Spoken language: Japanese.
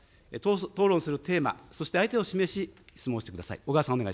討論するテーマ、そして相手を指名し、質問してください。